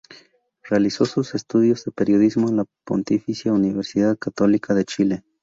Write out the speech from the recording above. Realizó sus estudios de periodismo en la Pontificia Universidad Católica de Chile.